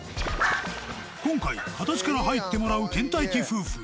今回形から入ってもらう倦怠期夫婦